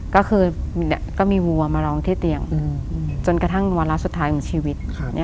ก็คือก็มีวัวมาร้องที่เตียงจนกระทั่งวาระสุดท้ายของชีวิต